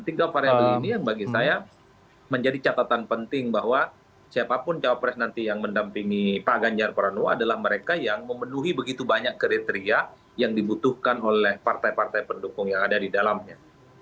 tiga variabel ini yang bagi saya menjadi catatan penting bahwa siapapun cawapres nanti yang mendampingi pak ganjar pranowo adalah mereka yang memenuhi begitu banyak kriteria yang dibutuhkan oleh partai partai pendukung yang ada di dalamnya